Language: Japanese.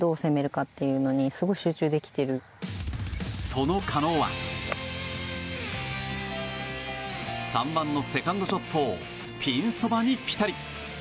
その叶は３番のセカンドショットをピンそばにピタリ。